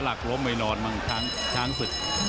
แล้วทีมงานน่าสื่อ